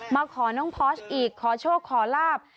มาขอน้องพอสอีกขอโชคขอลาบ